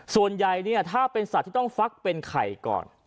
ส่วนใหญ่เนี่ยถ้าเป็นสัตว์ที่ต้องฟักเป็นไข่ก่อน